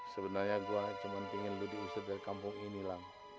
sebenarnya gue cuman pingin lo diusir dari kampung ini lam